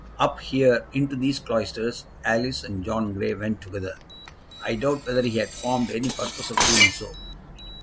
Up here, into these cloisters, Alice and John Grey went together. I doubt whether he had formed any purpose of doing so.